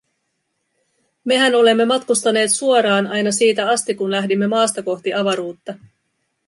Mehän olemme matkustaneet suoraan aina siitä asti, kun lähdimme maasta kohti avaruutta.